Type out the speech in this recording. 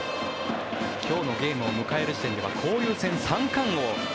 今日のゲームを迎える時点では交流戦三冠王。